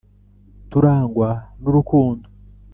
turangwa n urukundo